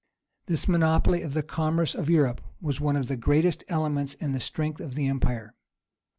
This monopoly of the commerce of Europe was one of the greatest elements in the strength of the empire.